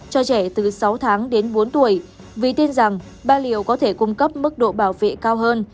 cho trẻ từ sáu tháng đến bốn tuổi vì tin rằng ba liệu có thể cung cấp mức độ bảo vệ cao hơn